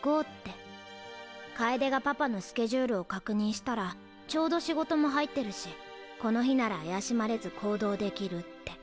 楓がパパのスケジュールを確認したらちょうど仕事も入ってるしこの日なら怪しまれず行動できるって。